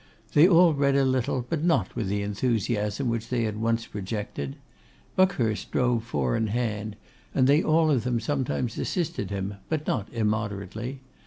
They all read a little, but not with the enthusiasm which they had once projected. Buckhurst drove four in hand, and they all of them sometimes assisted him; but not immoderately.